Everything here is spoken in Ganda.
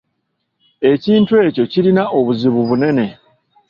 Ekintu ekyo kirina obuzibu bunene.